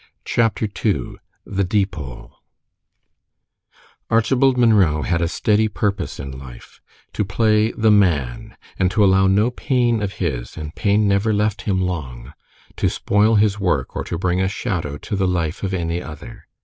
CHAPTER II THE DEEPOLE Archibald Munro had a steady purpose in life to play the man, and to allow no pain of his and pain never left him long to spoil his work, or to bring a shadow to the life of any other.